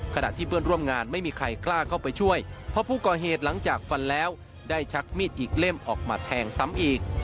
ขณะที่เพื่อนร่วมงานไม่มีใครกล้าเข้าไปช่วยเพราะผู้ก่อเหตุหลังจากฟันแล้วได้ชักมีดอีกเล่มออกมาแทงซ้ำอีก